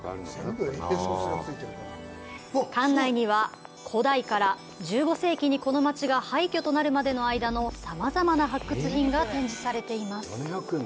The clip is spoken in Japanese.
館内には、古代から１５世紀にこの街が廃墟となるまでの間のさまざまな発掘品が展示されています。